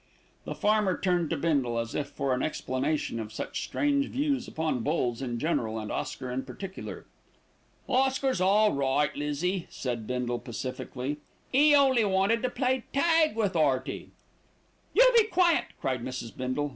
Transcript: The farmer turned to Bindle, as if for an explanation of such strange views upon bulls in general and Oscar in particular. "Oscar's all right, Lizzie," said Bindle pacifically. "'E only wanted to play tag with 'Earty." "You be quiet!" cried Mrs. Bindle.